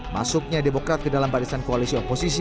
masuknya demokrat ke dalam barisan koalisi oposisi